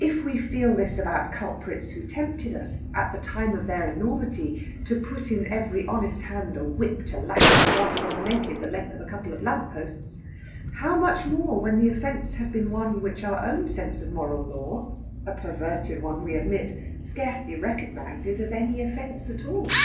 If we feel this about culprits who tempted us, at the time of their enormity, to put in every honest hand a whip to lash the rascal naked the length of a couple of lamp posts, how much more when the offence has been one which our own sense of moral law (a perverted one, we admit) scarcely recognises as any offence at all.